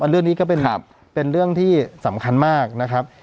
เรื่องนี้ก็เป็นเรื่องที่สำคัญมากนะครับ